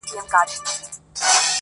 ځم ورته را وړم ستوري په لپه كي.